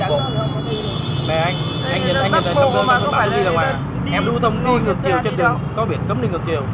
mẹ anh anh nhìn lại trong gương em bảo ghi là em lưu thông đi ngược chiều chứ đừng có biển cấm đi ngược chiều